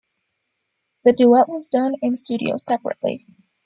The duet was done in studio, separately.